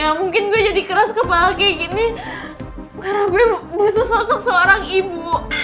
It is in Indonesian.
ya mungkin gue jadi keras kepala kayak gini karena gue butuh sosok seorang ibu